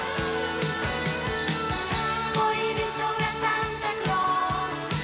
「恋人がサンタクロース